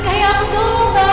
nikahi aku dulu bang